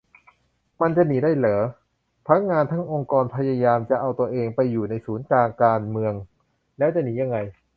มันจะหนีได้เหรอ ทั้งงานทั้งองค์กรพยายามจะเอาตัวเองไปอยู่ในศูนย์กลางการเมือง แล้วจะหนียังไง